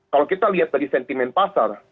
kalau kita lihat dari sentimen pasar